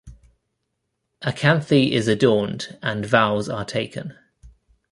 A kanthi is adorned and vows are taken.